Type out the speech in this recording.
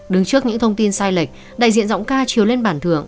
đứng trước những thông tin sai lệch đại diện giọng ca chiếu lên bản thường